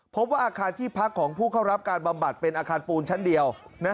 พบว่าอาคารที่พักของผู้เข้ารับการบำบัดเป็นอาคารปูนชั้นเดียว